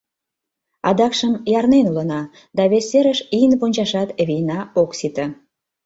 Адакшым ярнен улына да вес серыш ийын вончашат вийна ок сите.